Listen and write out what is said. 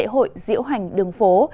hội diễu hành đường phố